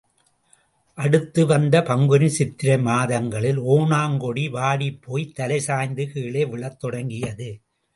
அடுத்து வந்த பங்குனி சித்திரை மாதங்களில் ஒணாங்கொடி வாடிப்போய்த் தலைசாய்ந்து கீழே விழத் தொடங்கியது.